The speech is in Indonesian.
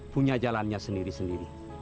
punya jalannya sendiri sendiri